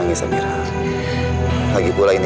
nah habis yang lain